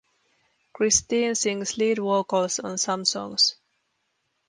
Christine sings lead vocal on some songs.